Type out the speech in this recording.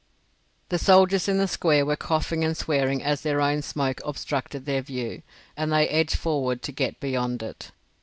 The soldiers in the square were coughing and swearing as their own smoke obstructed their view, and they edged forward to get beyond it.